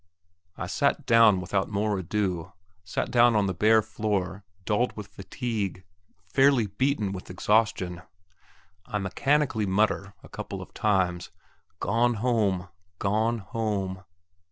'" I sat down without more ado sat down on the bare floor, dulled with fatigue, fairly beaten with exhaustion. I mechanically mutter, a couple of times, "Gone home gone home!"